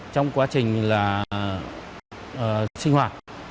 trong quá trình sinh hoạt